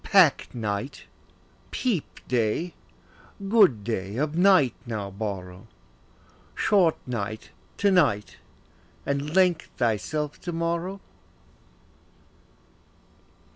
Pack night, peep day; good day, of night now borrow: Short, night, to night, and length thyself to morrow.